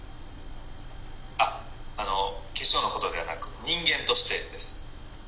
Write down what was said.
「あっあの化粧のことではなく人間としてです」。